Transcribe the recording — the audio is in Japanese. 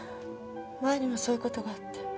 前にもそういう事があって。